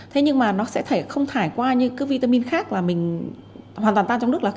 thế nhưng mà nó sẽ không thải qua như vitamin khác là mình hoàn toàn tan trong nước lúc đó